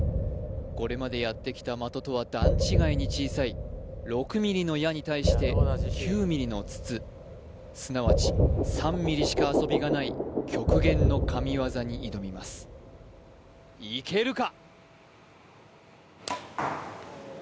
これまでやってきた的とは段違いに小さい６ｍｍの矢に対して９ｍｍの筒すなわち３ｍｍしか遊びがない極限の神業に挑みますいけるか？